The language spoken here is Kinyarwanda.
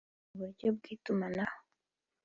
uburyo bw’itumanaho